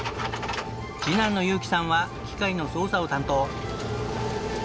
次男の裕希さんは機械の操作を担当。